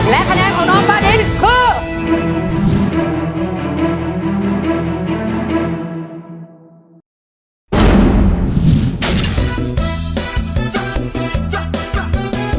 และคะแนนของน้องบาดินคือ